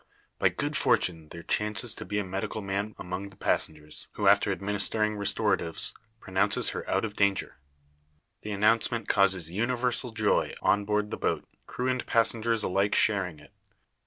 By good fortune there chances to be a medical man among the passengers; who, after administering restoratives, pronounces her out of danger. The announcement causes universal joy on board the boat crew and passengers alike sharing it.